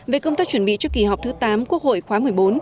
về công tác chuẩn bị cho kỳ họp thứ tám quốc hội khóa một mươi bốn